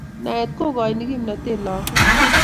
Naet kokaini kimnatet lako